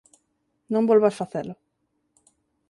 Non volvas facelo.